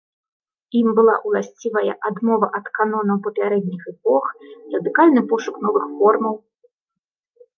Ім была ўласцівая адмова ад канонаў папярэдніх эпох, радыкальны пошук новых формаў.